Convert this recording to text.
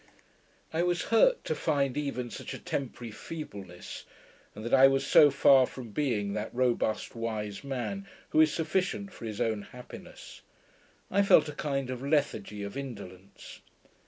I was hurt to find even such a temporary feebleness, and that I was so far from being that robust wise man who is sufficient for his own happiness. I felt a kind of lethargy of indolence.